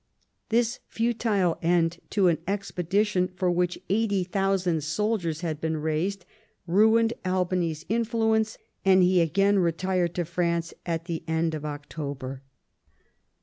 This futile end to an expedition for which 80,000 soldiers had been raised ruined Albany's influence, and he again retired to France at the end of October.